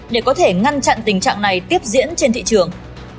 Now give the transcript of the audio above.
để có thể ngăn chặn tình trạng này tiếp diễn trên thị trường